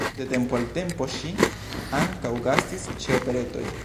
De tempo al tempo ŝi ankaŭ gastis ĉe operetoj.